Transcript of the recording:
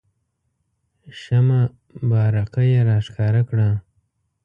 شمه بارقه یې راښکاره کړه.